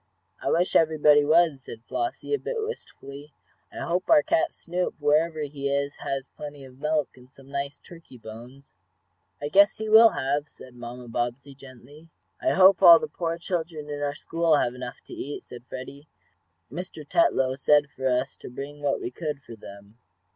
"I wish everybody was," said Flossie, a bit wistfully. "I hope our cat Snoop, wherever he is, has plenty of milk, and some nice turkey bones." "I guess he will have," said Mamma Bobbsey, gently. "I hope all the poor children in our school have enough to eat," said Freddie. "Mr. Tetlow said for us to bring what we could for them."